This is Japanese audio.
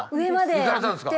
行かれたんですか。